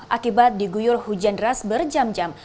akibat diguyur hujan deras berjam jam